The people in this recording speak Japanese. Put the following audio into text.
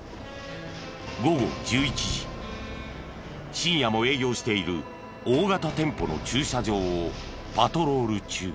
深夜も営業している大型店舗の駐車場をパトロール中。